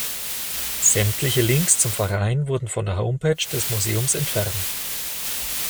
Sämtliche Links zum Verein wurden von der Homepage des Museums entfernt.